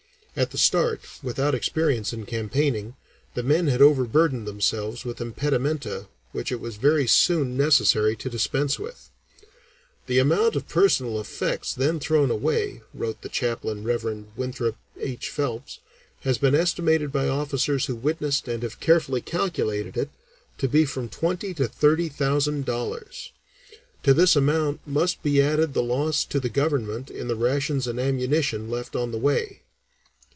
At the start, without experience in campaigning, the men had overburdened themselves with impedimenta which it was very soon necessary to dispense with. "The amount of personal effects then thrown away," wrote the chaplain, Rev. Winthrop H. Phelps, "has been estimated by officers who witnessed and have carefully calculated it, to be from twenty to thirty thousand dollars. To this amount must be added the loss to the Government in the rations and ammunition left on the way."